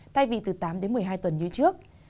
tay vị từ tám đến một mươi hai tuần như trước